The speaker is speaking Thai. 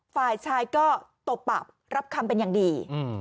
ฝ่ายชายก็ตบปับรับคำเป็นอย่างดี